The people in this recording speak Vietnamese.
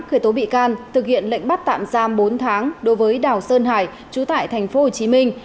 khởi tố bị can thực hiện lệnh bắt tạm giam bốn tháng đối với đào sơn hải chú tại thành phố hồ chí minh